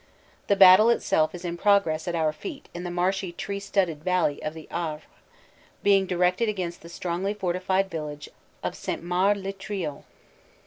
The battle itself is in progress at our feet in the marshy tree studded valley of the Avre, being directed against the strongly fortified village of St. Mard lez Triot.